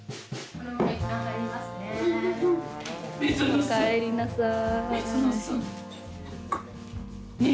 おかえりなさい。